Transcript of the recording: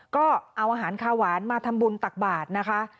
ก็เอาอาหารคาหวานมาทำบุญตักบาทนะคะ